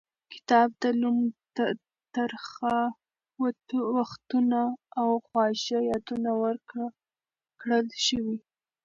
کتاب ته نوم ترخه وختونه او خواږه یادونه ورکړل شوی.